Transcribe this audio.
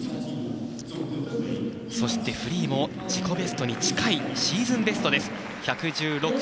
そしてフリーも自己ベストに近いシーズンベスト。